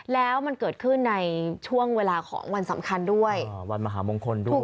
แล้วมันเกิดขึ้นในช่วงเวลาของวันสำคัญด้วยวันมหามงคลด้วย